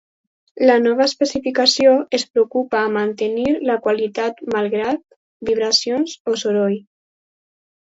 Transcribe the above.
La nova especificació es preocupa a mantenir la qualitat malgrat vibracions o soroll.